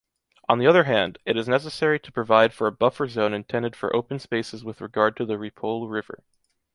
On the other hand, it is necessary to provide for a buffer zone intended for open spaces with regard to the Ripoll River.